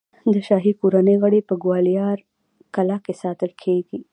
د شاهي کورنۍ غړي په ګوالیار کلا کې ساتل کېدل.